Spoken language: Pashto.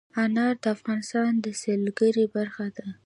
انار د افغانستان د سیلګرۍ برخه ده.